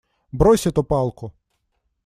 Брось эту палку!